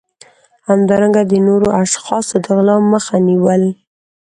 همدارنګه د نورو اشخاصو د غلا مخه نیول